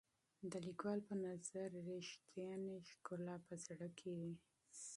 د لیکوال په نظر رښتیانۍ ښکلا په زړه کې وي.